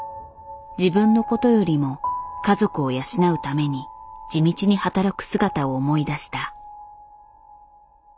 自分の事よりも家族を養うために地道に働く姿を思い出した。